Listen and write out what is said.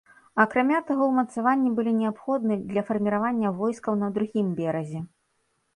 Акрамя таго, умацаванні былі неабходны для фарміравання войскаў на другім беразе.